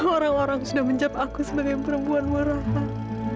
orang orang sudah menjampakku sebagai perempuan murahan